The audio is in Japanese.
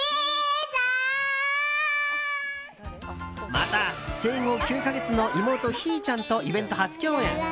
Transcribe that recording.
また、生後９か月の妹ひーちゃんとイベント初共演。